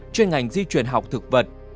chuyên ngành di chuyển học thực vật